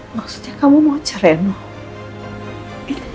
maksudnya kamu mau cari nong